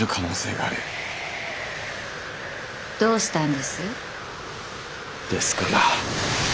どうしたんです？ですから。